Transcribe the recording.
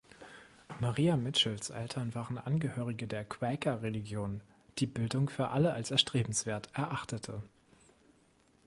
Maria Mitchells Eltern waren Angehörige der Quäker-Religion, die Bildung für alle als erstrebenswert erachtete.